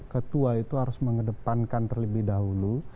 ketua itu harus mengedepankan terlebih dahulu